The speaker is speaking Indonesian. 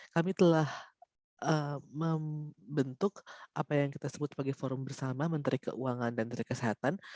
kami telah membentuk apa yang kita sebut sebagai forum bersama menteri keuangan dan menteri kesehatan